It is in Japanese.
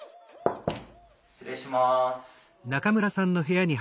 失礼します。